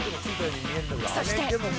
そして。